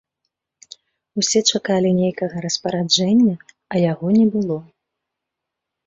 Усе чакалі нейкага распараджэння, а яго не было.